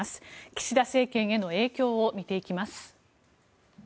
岸田政権への影響を見ていきます。